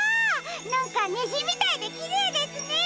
なんかにじみたいできれいですね。